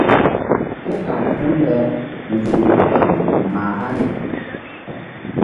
Ké ta̧w hul le nzukri gbam mah hani.